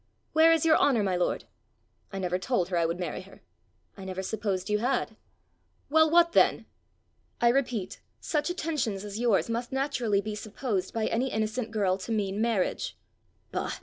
Where is your honour, my lord?" "I never told her I would marry her." "I never supposed you had." "Well, what then?" "I repeat, such attentions as yours must naturally be supposed by any innocent girl to mean marriage." "Bah!